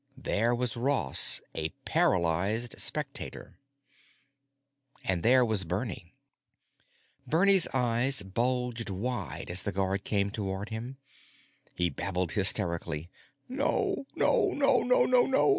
There was Ross, a paralyzed spectator. And there was Bernie. Bernie's eyes bulged wide as the guard came toward him. He babbled hysterically, "No! Nonononono!